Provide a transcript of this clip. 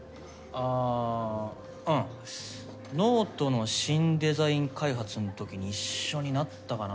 あぁうんノートの新デザイン開発のときに一緒になったかな。